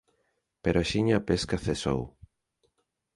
Pero axiña a pesca cesou.